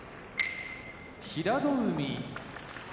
平戸海